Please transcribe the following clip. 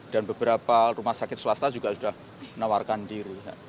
dan beberapa rumah sakit swasta juga sudah menawarkan diri